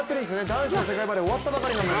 男子の世界バレー終わったばかりなのに。